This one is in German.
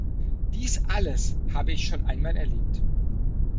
Dies alles habe ich schon einmal erlebt.